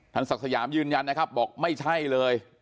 ศักดิ์สยามยืนยันนะครับบอกไม่ใช่เลย